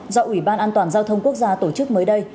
do ủy ban an toàn giao thông quốc gia tổ chức mới đây